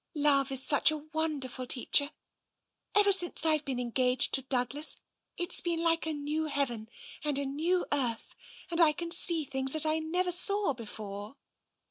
Love is such a wonderful teacher. Ever since Fve been engaged to Douglas, it's been like a new heaven and a new earth, and I can see things that I never saw before."